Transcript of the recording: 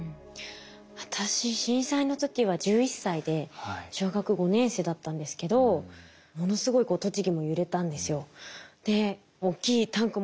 私震災の時は１１歳で小学５年生だったんですけどものすごい栃木も揺れたんですよ。